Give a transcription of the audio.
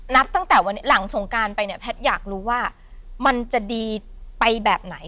นับตั้งแต่วันนี้หลังสงการไปเนี่ยแพทย์อยากรู้ว่ามันจะดีไปแบบไหน